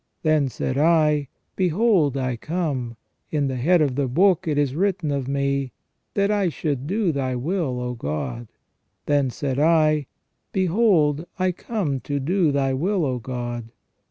Then said I : Behold I come : in the head of the book it is written of me : That I should do Thy will, O God. ... Then said I : Behold I come to do Thy will, O God.